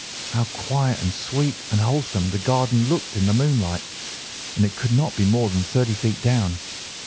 How quiet and sweet and wholesome the garden looked in the moonlight, and it could not be more than thirty feet down.